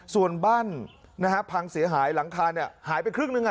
ส่วนบ้านพังเสียหายหลังคาหายไปครึ่งหนึ่ง